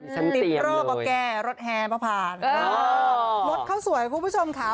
ติดรอบอแก่รถแห่บอผาดรถเข้าสวยคุณผู้ชมค่ะ